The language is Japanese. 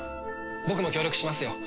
僕も協力しますよ。